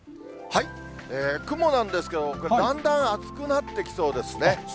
雲なんですけれども、だんだん厚くなってきそうですね。